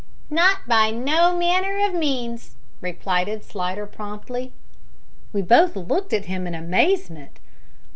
"Not by no manner of means," replied Slidder promptly. We both looked at him in amazement.